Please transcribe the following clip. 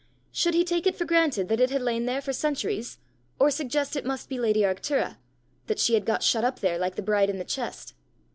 Should he take it for granted that it had lain there for centuries, or suggest it must be lady Arctura that she had got shut up there, like the bride in the chest?